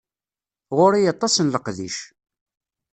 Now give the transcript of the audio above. Ɣuṛ-i aṭas n leqdic.